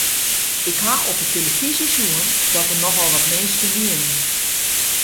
Ik haw op 'e telefyzje sjoen dat der nochal wat minsken wiene.